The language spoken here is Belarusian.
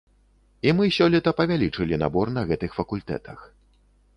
І мы сёлета павялічылі набор на гэтых факультэтах.